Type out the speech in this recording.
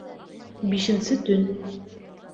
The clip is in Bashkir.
Бишенсе төн